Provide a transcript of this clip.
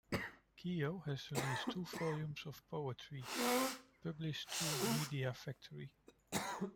Kyo has released two volumes of poetry, published through Media Factory.